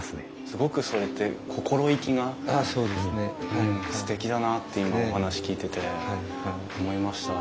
すごくそれって心意気がすてきだなって今お話聞いてて思いました。